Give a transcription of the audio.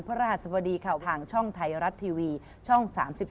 รหัสบดีข่าวทางช่องไทยรัฐทีวีช่อง๓๒